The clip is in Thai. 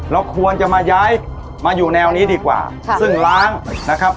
เราควรจะมาย้ายมาอยู่แนวนี้ดีกว่าซึ่งล้างนะครับ